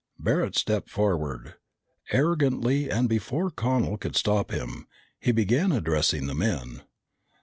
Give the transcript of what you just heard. Barret stepped forward. Arrogantly and before Connel could stop him, he began addressing the men.